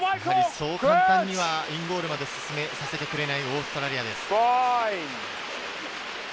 そう簡単にはインゴールまで進めさせてくれないオーストラリアです。